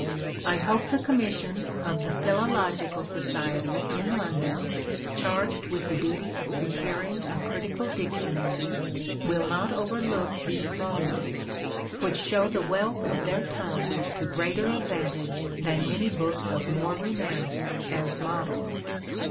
I hope the Commission of the Pliilological Society in London, charged with the duty of preparing a Critical Dictionary, will not overlook these volumes, which show the wealth of their tongue to greater advantage than many books of more renown as models.